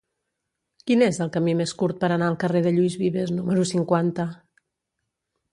Quin és el camí més curt per anar al carrer de Lluís Vives número cinquanta?